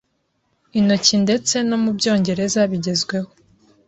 intoki ndetse no mubyongereza bigezweho